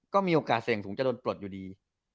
ก็มีโอกาสเสี่ยงสูงจะโดนปลดอยู่ดี